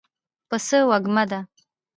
پسه وږمه ده.